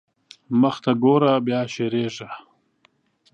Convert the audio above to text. مخته ګوره بيا شېرېږا.